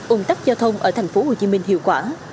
ủng tắc giao thông ở tp hcm hiệu quả